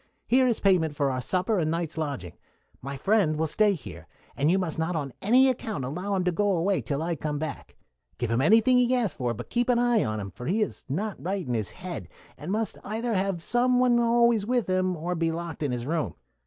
Here is payment for our supper and night's lodging. My friend will stay here, and you must not on any account allow him to go away till I come back. Give him anything he asks for; but keep an eye on him, for he is not right in his head, and must either have some one always with him, or be locked in his room.